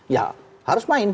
ya harus main